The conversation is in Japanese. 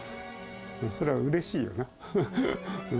それはうれしいよな。